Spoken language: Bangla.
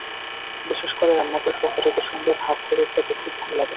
বিশেষ করে রান্না করে সহপাঠীদের সঙ্গে ভাগ করে খেতে খুব ভালো লাগে।